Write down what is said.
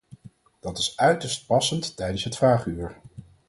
Dat is uiterst passend tijdens het vragenuur.